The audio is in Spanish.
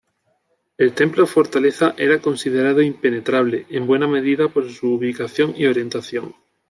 El templo-fortaleza era considerado impenetrable, en buena medida por su ubicación y orientación.